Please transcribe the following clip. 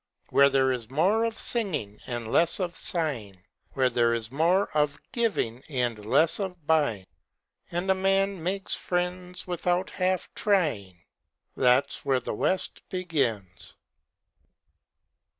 Where there is more of singing and less of sighing, Where there is more of giving and less of buying, And a man makes friends without half trying That's where the West begins.